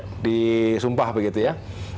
setelah dilantik disumpah begitu ya